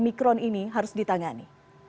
omicron ini harus ditangani